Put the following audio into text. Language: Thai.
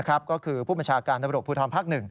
ก็คือผู้บัญชาการตำรวจภูทรภาค๑